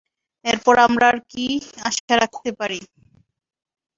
এরপর আমরা আর কি আশা করতে পারি?